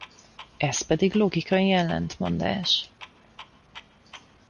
Ez pedig logikai ellentmondás.